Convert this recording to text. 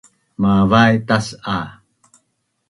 mavai tas’a